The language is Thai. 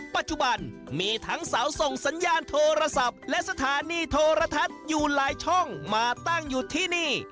ปัจจุบันมีทั้งเสาส่งสัญญาณโทรศัพท์และสถานีโทรทัศน์อยู่หลายช่องมาตั้งอยู่ที่นี่